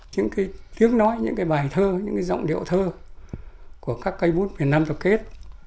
những cái tiếng nói những cái bài thơ những cái giọng điệu thơ của các cây bút miền nam tập kết